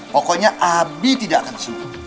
pokoknya abi tidak akan surut